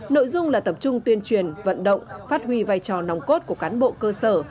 nội dung là tập trung tuyên truyền vận động phát huy vai trò nòng cốt của cán bộ cơ sở